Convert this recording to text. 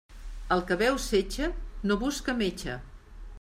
El que beu setge no busca metge.